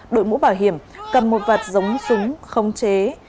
đội mũ bảo hiểm cầm một vật giống súng khống chế